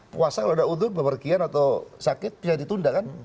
puasa kalau ada undur bepergian atau sakit bisa ditunda kan